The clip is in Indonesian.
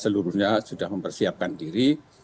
seluruhnya sudah mempersiapkan diri